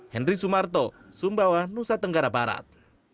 henry sumarto sumbawa nusa tenggara barat